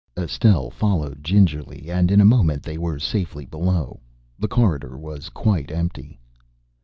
Estelle followed gingerly and in a moment they were safely below. The corridor was quite empty.